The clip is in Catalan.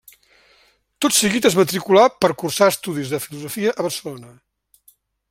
Tot seguit es matriculà per cursar estudis de filosofia a Barcelona.